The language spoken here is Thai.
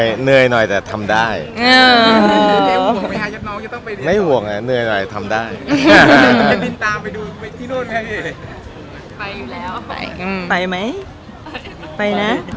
เรื่องยายทำได้